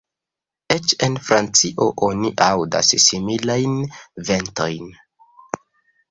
Eĉ en Francio oni aŭdas similajn ventojn.